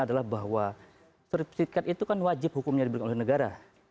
adalah bahwa sertifikat itu kan wajib hukumnya diberikan oleh negara